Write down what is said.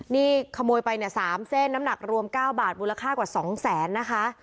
นี่ขโมยไปเนี่ยสามเส้นน้ำหนักรวมเก้าบาทบูรค่ากว่าสองแสนนะคะ